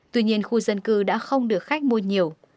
tuy nhiên khu dân cư đã không được khách mua nhiều